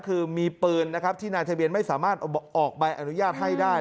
คือมีปืนนะครับที่นายทะเบียนไม่สามารถออกใบอนุญาตให้ได้